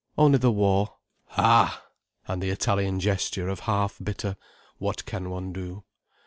"Only the war." "Ha!" and the Italian gesture of half bitter "what can one do?"